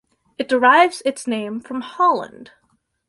It derives its name from Holland.